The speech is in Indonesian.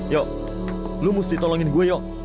yuk kamu harus tolong aku